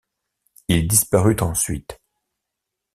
Il disparut ensuite.